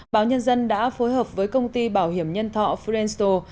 báo nhân dân đã phối hợp với công ty bảo hiểm nhân thọ freenstal